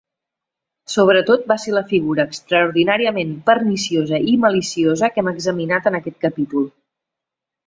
Sobretot va ser la figura extraordinàriament perniciosa i maliciosa que hem examinat en aquest capítol.